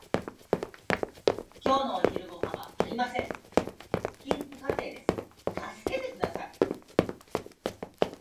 今日のお昼ごはんはありません。貧困家庭です。助けてください。